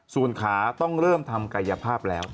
ส่วนขาต้องเริ่มทำกายภาพแล้ว